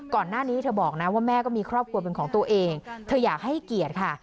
ก่อนหน้านี้เธอบอกนะว่าแม่ก็มีครอบครัวเป็นของตัวเองเธออยากให้เกียรติค่ะ